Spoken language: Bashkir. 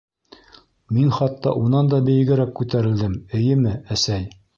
Мин хатта унан да бейегерәк күтәрелдем, эйеме, әсәй?!